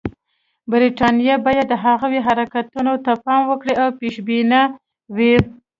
برټانیه باید د هغوی حرکتونو ته پام وکړي او پېشبینه وي.